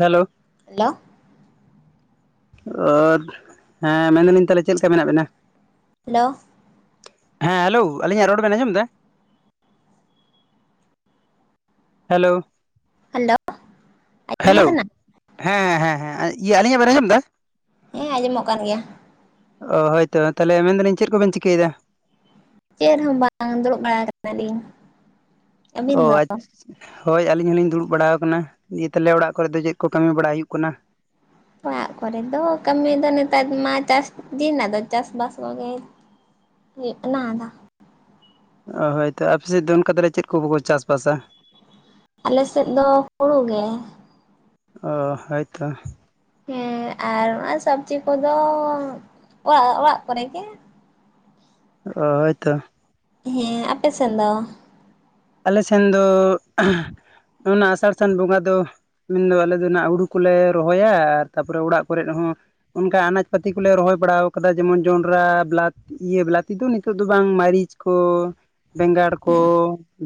Hello hello ᱚ ᱦᱮᱸ ᱢᱮᱱᱫᱟᱞᱤᱧ ᱛᱟᱦᱚᱞᱮ ᱪᱮᱫ ᱞᱮᱠᱟ ᱢᱮᱱᱟᱜ ᱵᱮᱱᱟ? ᱦᱮᱞᱳ ᱦᱮᱸ ᱦᱮᱞᱳ ᱟᱹᱞᱤᱧᱟᱜ ᱨᱚᱲ ᱵᱮᱱ‌ ᱟᱡᱚᱢ ᱮᱫᱟ ᱦᱮᱞᱳ ᱦᱮᱞᱳ ᱟᱡᱚᱢᱚᱜ ᱦᱮᱞᱳ ᱠᱟᱱᱟ᱾ ᱦᱮᱸ ᱦᱮ ᱦᱮᱸ ᱦᱮᱸ ᱤᱭᱟᱹ ᱟᱞᱤᱧᱟᱜ ᱵᱮᱱ ᱟᱸᱡᱚᱢ ᱮᱫᱟ᱾ ᱦᱮᱸ ᱟᱸᱡᱚᱢᱚᱜ ᱠᱟᱱ ᱜᱮᱭᱟ᱾ ᱚ ᱦᱳᱭᱛᱚ ᱛᱟᱦᱚᱞᱮ ᱢᱮᱱᱫᱟᱞᱤᱧ ᱪᱮᱫ ᱠᱚᱵᱮᱱ ᱪᱤᱠᱟᱹᱭᱮᱫᱟ? ᱪᱮᱫ ᱦᱚᱸ ᱵᱟᱝ ᱫᱩᱲᱩᱵ ᱵᱟᱲᱟ ᱟᱠᱟᱱᱟᱞᱤᱧ ᱚ ᱟᱪᱪᱷᱟ ᱦᱳᱭ ᱟᱹᱞᱤᱧ ᱦᱚᱞᱤᱧ ᱫᱩᱲᱩᱵ ᱵᱟᱲᱟ ᱟᱠᱟᱱᱟ᱾ ᱱᱤᱭᱮ ᱛᱟᱦᱟᱞᱮ ᱚᱲᱟᱜ ᱠᱚᱨᱮ ᱫᱚ ᱪᱮᱫ ᱠᱚ ᱠᱟᱹᱢᱤ ᱵᱟᱲᱟ ᱦᱩᱭᱩᱜ ᱠᱟᱱᱟ? ᱚᱲᱟᱜ ᱠᱚᱨᱮ ᱫᱚ ᱠᱟᱹᱢᱤ ᱫᱚ ᱱᱮᱛᱟᱨ ᱢᱟ ᱪᱟᱥ ᱫᱤᱱ ᱨᱮᱱᱟᱜ ᱫᱚ ᱪᱟᱥᱵᱟᱥ ᱠᱚᱜᱮ ᱢᱤᱫᱴᱟᱝ ᱟᱫᱷᱟ [unintelligible] ᱚ ᱦᱳᱭᱛᱚ ᱟᱯᱮᱥᱮᱫ ᱫᱚ ᱚᱱᱠᱟ ᱛᱟᱞᱮ ᱪᱮᱫ ᱠᱚ ᱵᱟᱠᱚ ᱪᱟᱥ ᱵᱟᱥᱟ? ᱟᱞᱮ ᱥᱮᱫ ᱫᱚ ᱦᱩᱲᱩ ᱜᱮ ᱚ ᱦᱮᱛᱚ ᱦᱮᱸ ᱟᱨ ᱱᱚᱣᱟᱜ ᱥᱚᱵᱽᱡᱤ ᱠᱚᱫᱚ ᱚᱲᱟᱜ ᱚᱲᱟᱜ ᱠᱚᱨᱮ ᱜᱮ ᱚ ᱦᱳᱭ ᱛᱚ ᱦᱮᱸ ᱟᱯᱮ ᱥᱮᱱ ᱫᱚ ᱟᱞᱮ ᱥᱮᱱ ᱫᱚ ᱚᱱᱟ ᱟᱥᱟᱲ ᱥᱟᱱ ᱵᱚᱸᱜᱟ ᱫᱚ ᱢᱮᱱᱫᱚ ᱟᱞᱮ ᱫᱚ ᱦᱟᱸᱜ ᱦᱩᱲᱩ ᱠᱚᱞᱮ ᱨᱚᱦᱚᱭᱟ ᱟᱨ ᱛᱟᱨᱯᱚᱨᱮ ᱚᱲᱟᱜ ᱠᱚᱨᱮ ᱦᱚᱸ ᱚᱱᱠᱟ ᱟᱱᱟᱡᱽ ᱯᱟᱹᱛᱤ ᱠᱚᱞᱮ ᱨᱚᱦᱚᱭ ᱵᱟᱲᱟ ᱠᱟᱫᱟ ᱡᱮᱢᱚᱱ ᱡᱚᱱᱰᱨᱟ ᱵᱮᱞᱟᱛᱤ ᱤᱭᱟᱹ ᱵᱮᱞᱟᱛᱤ ᱫᱚ ᱱᱤᱛᱚᱜ ᱫᱚ ᱵᱟᱝ ᱢᱟᱹᱨᱤᱪ ᱠᱚ ᱵᱮᱸᱜᱟᱲ ᱠᱚ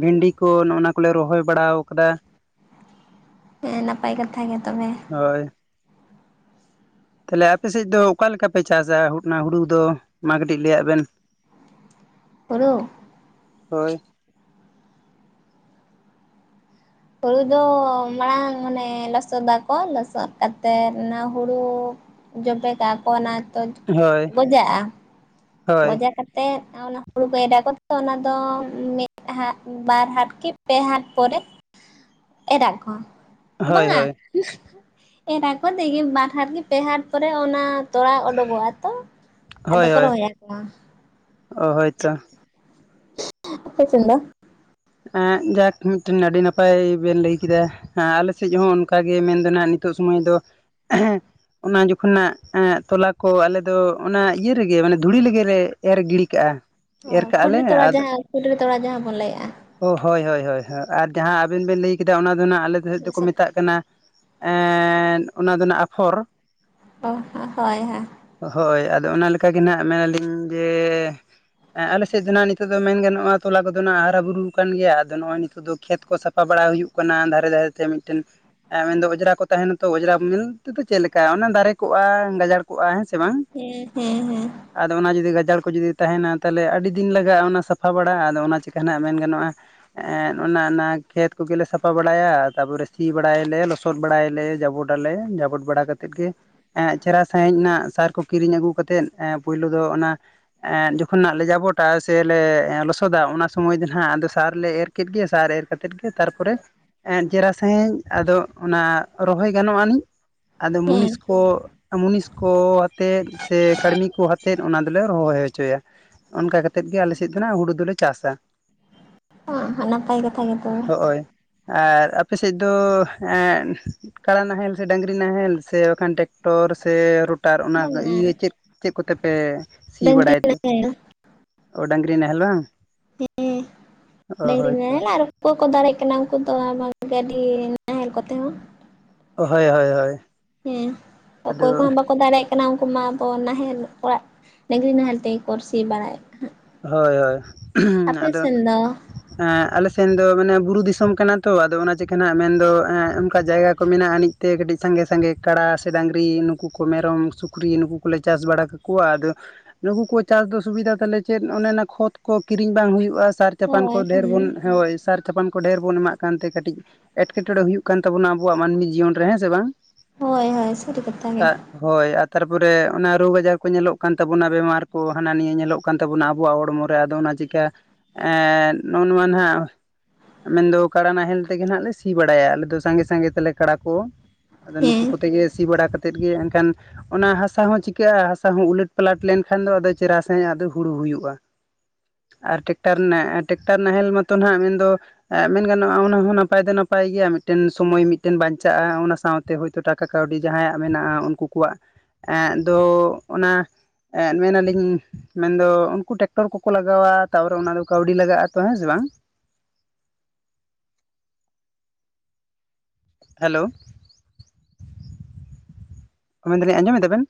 ᱵᱷᱤᱱᱰᱤ ᱠᱚ ᱱᱚᱜᱼ ᱚᱱᱟ ᱠᱚᱞᱮ ᱨᱚᱦᱚᱭ ᱵᱟᱲᱟ ᱟᱠᱟᱫᱟ᱾ ᱦᱮᱸ ᱱᱟᱯᱟᱭ ᱠᱟᱛᱷᱟ ᱜᱮ ᱛᱚᱵᱮ ᱦᱳᱭ ᱛᱟᱦᱚᱞᱮ ᱟᱯᱮ ᱥᱮᱫ ᱫᱚ ᱚᱠᱟ ᱞᱮᱠᱟ ᱯᱮ ᱪᱟᱥᱟ ᱦᱩᱰᱱᱟ ᱦᱩᱲᱩ ᱫᱚ ᱢᱟ ᱠᱟᱹᱴᱤᱡ ᱞᱟᱹᱭᱟᱜ ᱵᱤᱱ [unintelligible] ᱦᱩᱲᱩ ᱦᱳᱭ ᱦᱩᱲᱩ ᱫᱚ ᱢᱟᱲᱟᱝ ᱢᱟᱱᱮ ᱞᱚᱥᱚᱫᱟᱠᱚ ᱞᱚᱥᱚᱫ ᱠᱟᱛᱮᱫ ᱚᱱᱟ ᱦᱩᱲᱩ ᱡᱚᱵᱮ ᱠᱟᱜ ᱠᱚ ᱚᱱᱟ ᱛᱚ ᱦᱳᱭ ᱜᱚᱡᱟᱜᱼᱟ ᱦᱳᱭ ᱜᱚᱡᱟ ᱠᱟᱛᱮ ᱛᱮ ᱚᱱᱟ ᱦᱩᱲᱩ ᱠᱚ ᱮᱨᱟ ᱠᱚ ᱠᱟᱛᱮ ᱚᱱᱟ ᱫᱚ ᱢᱤᱫ ᱦᱟᱴ ᱵᱟᱨ ᱦᱟᱴ ᱠᱤ ᱯᱮ ᱦᱟᱴ ᱯᱚᱨᱮ [unintelligible] ᱮᱨᱟᱜ ᱠᱚ ᱦᱳᱭ ᱵᱟᱝᱟ ᱦᱳᱭ ᱮᱨᱟ ᱮᱨᱟ ᱠᱚ ᱫᱤᱜᱤᱛ ᱵᱟᱨ ᱦᱟᱴ ᱯᱮ ᱦᱟᱴ ᱠᱚᱨᱮ ᱯᱚᱨᱮ ᱚᱱᱟ ᱛᱚᱲᱟ ᱩᱰᱩᱠᱚᱜᱼᱟ ᱛᱚ ᱟᱫᱚ ᱦᱳᱭ ᱠᱚ ᱦᱳᱭ ᱨᱚᱦᱚᱭ ᱟᱠᱚ ᱚ ᱦᱳᱭᱛᱚ [unintelligible] ᱟᱯᱮ ᱥᱮᱱ ᱫᱚ ᱮᱠ ᱡᱟᱠ ᱢᱤᱫᱴᱮᱱ ᱟᱹᱰᱤ ᱱᱟᱯᱟᱭ ᱵᱤᱱ ᱞᱟᱹᱭ ᱠᱮᱫᱟ᱾ ᱟᱞᱮ ᱥᱮᱡ ᱦᱚᱸ ᱚᱱᱠᱟ ᱜᱮ ᱢᱮᱱ ᱫᱚ ᱦᱟᱜ ᱱᱤᱛᱚᱜ ᱥᱚᱢᱚᱭ ᱫᱚ ᱚᱱᱟ ᱡᱚᱠᱷᱚᱱᱟᱜ ᱛᱚᱞᱟ ᱠᱚ ᱟᱞᱮ ᱫᱚ ᱚᱱᱟ ᱤᱭᱟᱹ ᱨᱮᱜᱮ ᱢᱟᱱᱮ ᱫᱷᱩᱲᱤ ᱨᱮᱜᱮᱞᱮ ᱮᱨ ᱜᱤᱲᱤ ᱠᱟᱜᱼᱟ᱾ ᱚ ᱮᱨ ᱠᱟᱜᱼᱟ ᱞᱮ ᱠᱷᱩᱰᱨᱤ ᱛᱚᱞᱟ ᱟᱨ ᱡᱟᱦᱟᱸ ᱠᱷᱩᱰᱨᱤ ᱛᱚᱞᱟ ᱡᱟᱦᱟᱸ ᱵᱚᱱ ᱞᱟᱹᱭ ᱮᱼᱟ᱾ ᱚ ᱦᱳᱭ ᱦᱳᱭ ᱦᱳᱭ ᱟᱨ ᱡᱟᱦᱟᱸ ᱟᱵᱤᱱ ᱵᱤᱱ ᱞᱟᱹᱭ ᱠᱮᱫᱟ ᱚᱱᱟ ᱫᱚ ᱱᱟᱜ ᱟᱞᱮ ᱫᱚ ᱥᱮᱫ ᱫᱚᱠᱚ ᱞᱚᱥᱚᱫ ᱢᱮᱛᱟᱜ ᱠᱟᱱᱟ᱾ ᱮᱸᱻ ᱚᱱᱟ ᱫᱚ ᱱᱟᱜ ᱟᱯᱷᱚᱨ᱾ ᱚ ᱦᱳᱭ ᱦᱳᱭ, ᱦᱳᱭ ᱟᱫᱚ ᱚᱱᱟ ᱞᱮᱠᱟ ᱜᱮ ᱱᱟᱜ ᱢᱮᱱ ᱱᱟᱞᱤᱧ ᱡᱮ ᱮ ᱟᱞᱮ ᱥᱮᱫ ᱫᱚ ᱱᱟᱜ ᱱᱤᱛᱚᱜ ᱫᱚ ᱢᱮᱱ ᱜᱟᱱᱚᱜ-ᱟ ᱛᱚᱞᱟ ᱠᱚᱫᱚ ᱱᱟᱜ ᱟᱨ ᱦᱟᱨᱟ ᱵᱩᱨᱩ ᱠᱟᱱ ᱜᱮᱭᱟ ᱟᱫᱚ ᱱᱚᱜ-ᱚᱭ ᱱᱤᱛᱚᱜ ᱫᱚ ᱠᱷᱮᱛ ᱠᱚ ᱥᱟᱯᱷᱟ ᱵᱟᱲᱟ ᱦᱩᱭᱩᱜ ᱠᱟᱱᱟ᱾ ᱫᱷᱟᱨᱮ ᱫᱷᱟᱨᱮ ᱛᱮ ᱢᱤᱫᱴᱮᱱ ᱮ ᱢᱮᱱᱫᱚ ᱚᱸᱡᱽᱨᱟ ᱠᱚ ᱛᱟᱦᱮᱱᱟ ᱛᱚ ᱚᱡᱽᱨᱟ ᱢᱮᱱ ᱛᱮᱫᱚ ᱪᱮᱫ ᱞᱮᱠᱟ ᱚᱱᱟ ᱫᱟᱨᱮ ᱠᱚᱜ-ᱟ ᱜᱟᱡᱟᱲ ᱠᱚᱜ-ᱟ ᱦᱮᱸ ᱥᱮ ᱵᱟᱝ᱾ [unintelligible] ᱦᱮᱸ ᱦᱮᱸ ᱟᱫᱚ ᱚᱱᱟ ᱡᱩᱫᱤ ᱜᱟᱡᱟᱲ ᱠᱚ ᱡᱩᱫᱤ ᱛᱟᱦᱮᱱᱟ ᱛᱟᱦᱚᱞᱮ ᱟᱹᱰᱤ ᱫᱤᱱ ᱞᱟᱜᱟ-ᱟ ᱚᱱᱟ ᱥᱟᱯᱟ ᱵᱟᱲᱟ ᱟᱫᱚ ᱚᱱᱟ ᱪᱤᱠᱟᱹ ᱡᱟᱦᱟᱸ ᱱᱟᱜ ᱢᱮᱱ ᱜᱟᱱᱚᱜ-ᱟ᱾ ᱮ ᱚᱱᱟ ᱚᱱᱟ ᱠᱷᱮᱛ ᱠᱚ ᱜᱮᱞᱮ ᱥᱟᱯᱟ ᱵᱟᱲᱟᱭᱟ ᱛᱟᱨ ᱯᱚᱨᱮ ᱥᱤ ᱵᱟᱲᱟᱭ ᱟᱞᱮ ᱞᱚ- ᱥᱚᱫ ᱵᱟᱲᱟᱭ ᱟᱞᱮ ᱡᱟᱵᱚᱰ ᱟᱞᱮ ᱡᱟᱵᱚᱰ ᱵᱟᱲᱟ ᱠᱟᱛᱮᱫ ᱜᱮ᱾ ᱮ ᱪᱮᱦᱨᱟ ᱥᱟᱹᱦᱤᱡ ᱨᱮᱱᱟᱜ ᱥᱟᱨ ᱠᱚ ᱠᱤᱨᱤᱧ ᱟᱹᱜᱩ ᱠᱟᱛᱮᱫ ᱯᱩᱭᱞᱩ ᱫᱚ ᱚᱱᱟ ᱮ ᱡᱚᱠᱷᱚᱱ ᱱᱟᱜ ᱞᱮ ᱡᱟᱵᱚᱰ-ᱟ ᱥᱮᱞᱮ ᱞᱚᱥᱚᱫᱟ ᱚᱱᱟ ᱥᱚᱢᱚᱭ ᱫᱚ ᱦᱟᱸᱜ ᱟᱫᱚ ᱥᱟᱨ ᱞᱮ ᱮᱨ ᱠᱮᱫ ᱜᱮ ᱥᱟᱨ ᱮᱨ ᱠᱟᱛᱮᱫ ᱜᱮ ᱛᱟᱨᱯᱚᱨᱮ ᱮᱜ ᱪᱮᱦᱮᱨᱟ ᱥᱟᱹᱦᱤᱡ ᱟᱫᱚ ᱚᱱᱟ ᱨᱚᱦᱚᱭ ᱜᱟᱱᱚᱜ ᱟᱹᱱᱤᱡ᱾ ᱟᱫᱚ ᱦᱮᱸ ᱢᱩᱱᱤᱥ ᱠᱚ ᱢᱩᱱᱤᱥ ᱠᱚ ᱟᱛᱮᱫ ᱥᱮ ᱠᱟᱹᱲᱢᱤ ᱠᱚ ᱟᱛᱮᱫ ᱚᱱᱟ ᱫᱚᱞᱮ ᱨᱚᱦᱚᱭ ᱦᱚᱪᱚᱭᱟ᱾ ᱚᱱᱠᱟ ᱠᱟᱛᱮᱫ ᱜᱮ ᱟᱞᱮ ᱥᱮᱫ ᱫᱚ ᱱᱟᱜ ᱦᱩᱲᱩ ᱫᱚᱞᱮ ᱪᱟᱥᱟ᱾ [unintelligible] ᱱᱟᱯᱟᱭ [unintelligible] ᱦᱳᱜ-ᱳᱭ ᱟᱨ ᱟᱯᱮ ᱥᱮᱫ ᱫᱚ ᱮᱸ ᱠᱟᱲᱟ ᱱᱟᱦᱮᱞ ᱥᱮ, ᱰᱟᱹᱝᱨᱤ ᱱᱟᱦᱮᱞ, ᱥᱮ ᱵᱟᱝ ᱠᱷᱟᱱ ᱴᱨᱟᱠᱴᱚᱨ ᱥᱮ, ᱨᱳ- ᱴᱟᱨ ᱚᱱᱟ ᱵᱟᱝᱟ ᱤᱭᱟᱹ ᱪᱮᱫ ᱪᱮᱫ ᱠᱚᱛᱮ ᱯᱮ ᱥᱤ ᱰᱟᱹᱝᱨᱤ ᱵᱟᱲᱟᱭ ᱛᱮ᱾ ᱱᱟᱦᱮᱞ ᱳ ᱰᱟᱹᱝᱨᱤ ᱱᱟᱦᱮᱞ ᱵᱟᱝ? [unintelligible] ᱚ ᱰᱟᱹᱝᱨᱤ ᱦᱳᱭᱛᱚ ᱱᱟᱦᱮᱞ ᱟᱨ ᱩᱱᱠᱩ ᱠᱚ ᱫᱟᱲᱮᱜ ᱠᱟᱱᱟ ᱩᱱᱠᱩ ᱫᱚ ᱟᱨ ᱵᱟᱝ ᱜᱟᱹᱰᱤ, ᱱᱟᱦᱮᱞ ᱠᱚᱛᱮ ᱦᱚᱸ᱾ ᱦᱳᱭ ᱦᱳᱭ ᱦᱳᱭ᱾ ᱦᱮᱸ ᱟᱫᱚ ᱚᱠᱚᱭ ᱠᱚᱦᱚᱸ ᱵᱟᱠᱚ ᱫᱟᱲᱮᱭᱟᱜ ᱠᱟᱱᱟ ᱩᱱᱠᱩ ᱢᱟ ᱟᱵᱚ ᱱᱟᱦᱮᱞ ᱚᱲᱟᱜ ᱰᱟᱹᱜᱽᱨᱤ ᱱᱟᱦᱮᱞ ᱛᱮᱭ ᱠᱚ ᱥᱤ ᱵᱟᱲᱟᱭᱮᱫ ᱠᱷᱟ- ᱦᱳᱭ ᱦᱳᱭ ᱦᱩᱸ ᱟᱫᱚ ᱫᱚ ᱦᱮᱸ ᱟᱞᱮ ᱥᱮᱱ ᱫᱚ ᱢᱟᱱᱮ ᱵᱩᱨᱩ ᱫᱤᱥᱚᱢ ᱠᱟᱱᱟ ᱛᱚ ᱟᱫᱚ ᱚᱱᱟ ᱪᱤᱠᱟᱹ ᱦᱮᱱᱟᱜ ᱢᱮᱱ ᱫᱚ ᱚᱱᱠᱟ ᱡᱟᱭᱜᱟ ᱠᱚ ᱢᱮᱱᱟᱜ-ᱟ ᱟᱹᱱᱤᱡ᱾ ᱛᱮᱜᱮ ᱠᱟᱹᱴᱤᱡ ᱥᱟᱸᱜᱮ ᱥᱟᱸᱜᱮ ᱠᱟᱲᱟ ᱥᱮ ᱰᱟᱹᱝᱨᱤ ᱱᱩᱠᱩ ᱠᱚ ᱢᱮᱨᱚᱢ, ᱥᱩᱠᱨᱤ ᱱᱩᱠᱩ ᱠᱚᱞᱮ ᱪᱟᱥ ᱵᱟᱲᱟ ᱠᱟᱠᱚᱣᱟ ᱟᱫᱚ ᱱᱩᱠᱩ ᱠᱚ ᱪᱟᱥ ᱫᱚ ᱥᱩᱵᱤᱫᱟ ᱛᱟᱞᱮ᱾ ᱪᱮᱫ ᱚᱱᱮ ᱚᱱᱟ ᱠᱷᱚᱛ ᱠᱚ ᱠᱤᱨᱤᱧ ᱵᱟᱝ ᱦᱩᱭᱩᱜ-ᱟ᱾ ᱥᱟᱨ, ᱪᱟᱯᱟᱱ ᱠᱚ ᱦᱳᱭ ᱰᱷᱮᱨ ᱵᱚᱱ ᱦᱮᱸ ᱦᱳᱭ ᱥᱟᱨ ᱛᱟᱯᱟᱱ ᱠᱚ ᱰᱷᱮᱨ ᱵᱚᱱ ᱮᱢᱟᱜ ᱠᱟᱱᱛᱮ ᱠᱟᱹᱴᱤᱡ ᱮᱴᱠᱮᱴᱚᱬᱮ ᱦᱩᱭᱩᱜ ᱠᱟᱱ ᱛᱟᱵᱚᱱᱟ ᱟᱵᱚᱣᱟᱜ ᱢᱟᱹᱱᱢᱤ ᱡᱤᱭᱚᱱ ᱨᱮ ᱦᱮᱸ ᱥᱮ ᱵᱟᱝ? ᱦᱳᱭ ᱦᱳᱭ ᱥᱟᱹᱨᱤ ᱠᱟᱛᱷᱟ ᱜᱮ᱾ ᱛᱟᱜ ᱦᱳᱭ ᱟᱨ ᱛᱟᱨᱯᱚᱨᱮ ᱚᱱᱟ ᱨᱳᱜ ᱟᱡᱟᱨ ᱠᱚ ᱧᱮᱞᱚᱜ ᱠᱟᱱ ᱛᱟᱵᱚᱱᱟ ᱵᱮᱢᱟᱨ ᱠᱚ ᱦᱟᱱᱟ ᱱᱤᱭᱟᱹ ᱧᱮᱞᱚᱜ ᱠᱟᱱ ᱛᱟᱵᱚᱱᱟ ᱟᱵᱚᱣᱟᱜ ᱦᱚᱲᱢᱚ ᱨᱮ ᱟᱫᱚ ᱚᱱᱟ ᱪᱤᱠᱟᱹ ᱮᱻ ᱱᱚᱜ-ᱚ ᱱᱚᱣᱟ ᱱᱟᱦᱟᱜ ᱢᱮᱱ ᱫᱚ ᱠᱟᱲᱟ ᱱᱟᱦᱮᱞ ᱛᱮᱜᱮ ᱱᱟᱜ ᱞᱮ ᱥᱤ ᱵᱟᱲᱟᱭᱟ ᱟᱞᱮ ᱫᱚ ᱥᱟᱸᱜᱮ ᱥᱟᱸᱜᱮ ᱛᱮᱞᱮ ᱠᱟᱲᱟ ᱠᱚ᱾ ᱟᱫᱚ ᱱᱩᱠᱩ ᱦᱮᱸ ᱠᱚᱛᱮ ᱜᱮ ᱥᱤ ᱵᱟᱲᱟ ᱠᱟ- ᱛᱮᱫ ᱜᱮ ᱮᱱᱠᱷᱟᱱ ᱚᱱᱟ ᱦᱟᱥᱟ ᱦᱚᱸ ᱪᱤᱠᱟᱹᱜ-ᱟ ᱦᱟᱥᱟ ᱦᱚᱸ ᱩᱞᱟᱹᱴ ᱯᱟᱞᱟᱴ ᱞᱮᱱᱠᱷᱟᱱ ᱫᱚ ᱟᱫᱚ ᱪᱮᱨᱦᱟ ᱥᱟᱺᱦᱤᱡ ᱟᱫᱚ ᱦᱩᱲᱩ ᱦᱩᱭᱩᱜ-ᱟ, ᱟᱨ ᱴᱮᱠᱴᱟᱨ ᱴᱮᱠᱴᱟᱨ ᱱᱟᱦᱮᱞ ᱢᱟᱛᱚ ᱱᱟᱦᱟᱜ ᱢᱮᱱ ᱫᱚ ᱢᱮᱱ ᱜᱟᱱᱚᱜ-ᱟ ᱚᱱᱟ ᱦᱚᱸ ᱱᱟᱯᱟᱭ ᱫᱚ ᱱᱟᱯᱟᱭ ᱜᱮᱭᱟ ᱢᱤᱫᱴᱮᱱ ᱥᱚᱢᱚᱭ ᱢᱤᱫᱴᱮᱱ ᱵᱟᱧᱪᱟᱜ-ᱟ ᱚᱱᱟ ᱥᱟᱶ ᱛᱮ᱾ ᱦᱳᱭ ᱛᱳ ᱴᱟᱠᱟ ᱠᱟᱹᱣᱰᱤ ᱡᱟᱦᱟᱸᱭᱟᱜ ᱢᱮᱱᱟᱜ-ᱟ ᱩᱱᱠᱩ ᱠᱚᱣᱟᱜ ᱮᱸᱜ ᱫᱚ ᱚᱱᱟ ᱮᱸᱜ ᱢᱮᱱᱟᱞᱤᱧ ᱢᱮᱱ ᱫᱚ ᱩᱱᱠᱩ ᱴᱮᱠᱴᱚᱨ ᱠᱚᱠᱚ ᱞᱟᱜᱟᱣᱟ ᱛᱟᱯᱚᱨᱮ ᱚᱱᱟ ᱫᱚ ᱠᱟᱹᱣᱰᱤ ᱞᱟᱜᱟᱜ-ᱟ ᱛᱚ ᱦᱮᱸ ᱥᱮ ᱵᱟᱝ᱾ ᱦᱮᱞᱳ, ᱚ ᱢᱮᱱᱮᱫᱞᱤᱧ ᱟᱸᱡᱚᱢᱮᱫᱟ ᱵᱮᱱ?